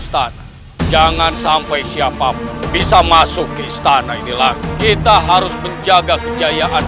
istana jangan sampai siapapun bisa masuk ke istana inilah kita harus menjaga kejayaan